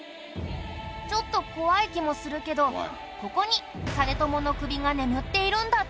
ちょっと怖い気もするけどここに実朝の首が眠っているんだって。